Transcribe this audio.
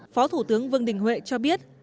phó thủ tướng vương đình huệ cho biết